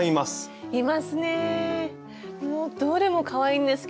いますね。